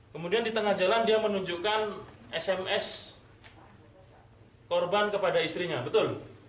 kemudian di tengah jalan dia menunjukkan sms korban kepada istrinya betul